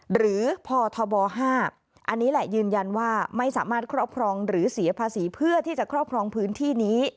หรือพทบ๕อันนี้แหละยืนยันว่าไม่สามารถครอบครองหรือเสียภาษีเพื่อที่จะครอบครองพื้นที่นี้